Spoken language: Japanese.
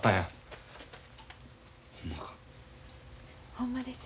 ほんまです。